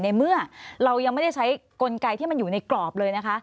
ในเมื่อเรายังไม่ได้ใช้กลไกที่มันอยู่ในกรอบเลยนะคะ